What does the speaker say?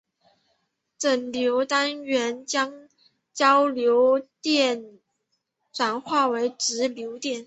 整流单元将交流电转化为直流电。